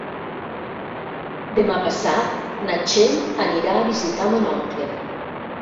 Demà passat na Txell anirà a visitar mon oncle.